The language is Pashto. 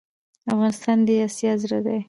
افغانستان دي اسيا زړه ده